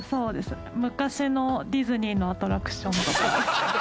昔のディズニーのアトラクション。